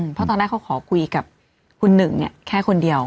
เพราะตอนแรกเขาขอคุยกับคุณหนึ่งแค่คนเดียว